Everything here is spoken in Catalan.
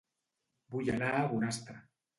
Vull anar a Bonastre